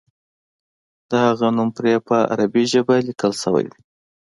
د هغه نوم پرې په عربي ژبه لیکل شوی دی.